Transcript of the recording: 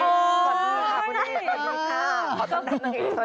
สวัสดีค่ะ